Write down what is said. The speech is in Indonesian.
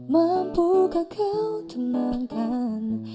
mampukah kau tenangkan